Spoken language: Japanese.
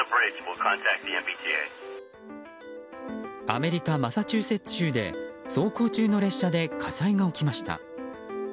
アメリカマサチューセッツ州で走行中の列車で火災が起きました。